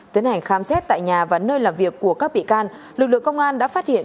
tiến hành khám xét tại nhà và nơi làm việc của các bị can lực lượng công an đã phát hiện